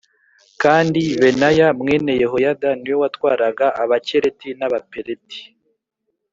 Kandi Benaya mwene Yehoyada ni we watwaraga Abakereti n’Abapeleti